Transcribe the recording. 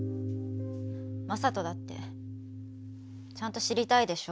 正門だってちゃんと知りたいでしょ